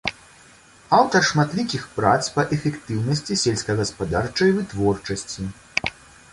Аўтар шматлікіх прац па эфектыўнасці сельскагаспадарчай вытворчасці.